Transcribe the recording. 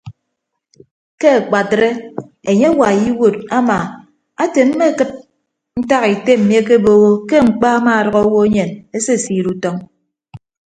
Ke akpatre enye awai iwuod ama ete mmekịd ntak ete mmi akebooho ke mkpa amaadʌk owo enyen esesiid utọñ.